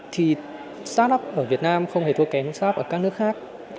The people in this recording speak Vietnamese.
thì start up ở việt nam không hề thua kém sáp ở các nước khác